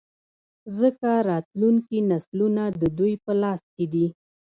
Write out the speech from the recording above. ځـکـه راتـلونکي نـسلونه د دوي پـه لاس کـې دي.